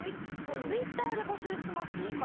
ツイッターで募集しますか？